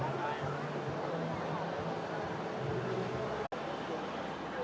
สวัสดีครับ